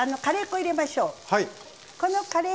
カレー粉入れましょう。